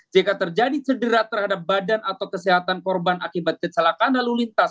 jika terjadi cedera terhadap badan atau kesehatan korban akibat kecelakaan lalu lintas